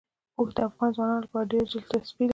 اوښ د افغان ځوانانو لپاره ډېره دلچسپي لري.